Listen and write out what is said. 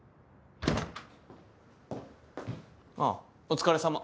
・ああお疲れさま。